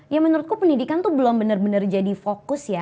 ya menurutku pendidikan tuh belum benar benar jadi fokus ya